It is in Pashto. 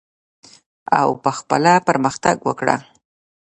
او په خپله پرمختګ وکړه.